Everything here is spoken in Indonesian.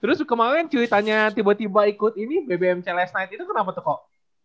terus kemarin cuy tanya tiba tiba ikut ini bbmc last night itu kenapa tuh kok